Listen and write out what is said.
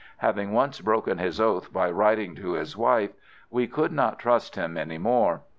Having once broken his oath by writing to his wife, we could not trust him any more.